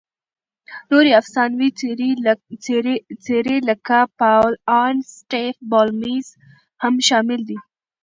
نورې افسانوي څېرې لکه پاول الن، سټیف بولمیر هم شامل دي.